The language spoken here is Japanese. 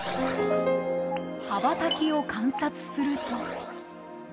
羽ばたきを観察すると。